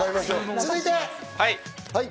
続いて。